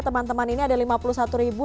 teman teman ini ada lima puluh satu ribu